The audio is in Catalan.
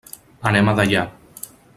Anem a Deià.